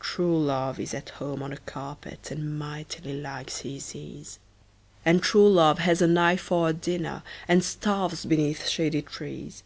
True love is at home on a carpet, And mightily likes his ease And true love has an eye for a dinner, And starves beneath shady trees.